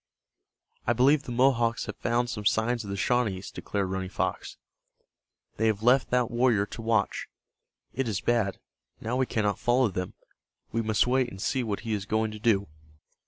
"I believe the Mohawks have found some signs of the Shawnees," declared Running Fox. "They have left that warrior to watch. It is bad. Now we cannot follow them. We must wait and see what he is going to do."